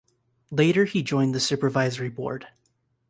Later he joined the supervisory board.